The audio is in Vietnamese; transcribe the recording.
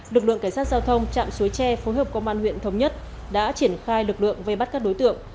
lực lượng cảnh sát giao thông chạm suối tre phối hợp công an huyện thống nhất đã triển khai lực lượng vây bắt các đối tượng